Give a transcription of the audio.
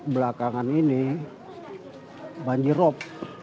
belakangan ini banjir rob